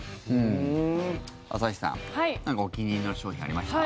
朝日さん、何かお気に入りの商品ありました？